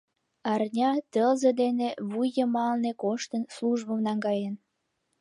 Арня, тылзе дене вӱдйымалне коштын, службым наҥгаен.